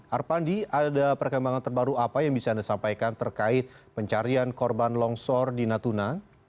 arpandi ada perkembangan terbaru apa yang bisa anda sampaikan terkait pencarian korban longsor di natuna